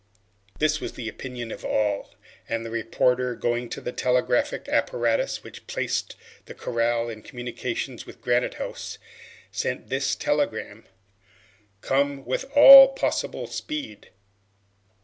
'" This was the opinion of all, and the reporter, going to the telegraphic apparatus which placed the corral in communication with Granite House, sent this telegram: "Come with all possible speed."